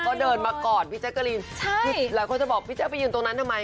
ก็เดินมากอดพี่แจ๊กกะรีนใช่คือหลายคนจะบอกพี่แจ๊กไปยืนตรงนั้นทำไม